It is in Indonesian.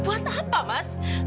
buat apa mas